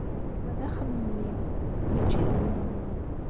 Wa d axemmem-iw mačči d win-nwen.